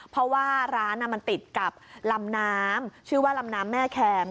เพราะว่าร้านมันติดกับลำน้ำชื่อว่าลำน้ำแม่แคม